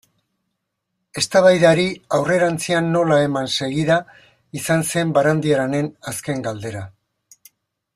Eztabaidari aurrerantzean nola eman segida izan zen Barandiaranen azken galdera.